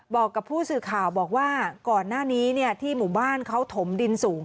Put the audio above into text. บอกกับผู้สื่อข่าวบอกว่าก่อนหน้านี้ที่หมู่บ้านเขาถมดินสูง